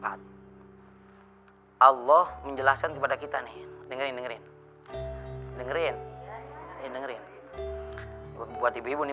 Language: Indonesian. hai allah menjelaskan kepada kita nih dengan dengerin dengerin dengerin buat ibu nih